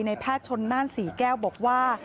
ในแพทย์ชนนั่นสี่แก้วบอกว่า